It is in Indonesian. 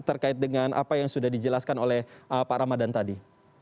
terkait dengan apa yang sudah dijelaskan oleh pak ramadhan tadi